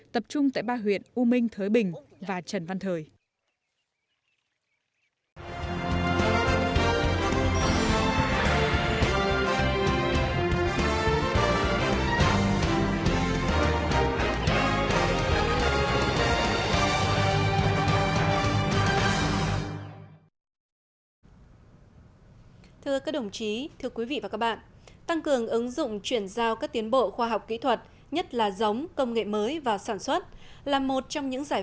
tập trung tại ba huyện u minh thới bình và trần văn thời